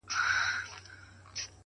د ژوند مانا په اغېز کې ده.!